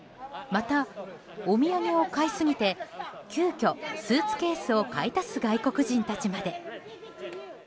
また、お土産を買いすぎて急きょ、スーツケースを買い足す外国人たちまで。